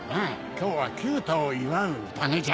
今日は九太を祝う宴じゃ。